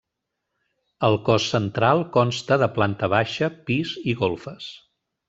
El cos central consta de planta baixa, pis i golfes.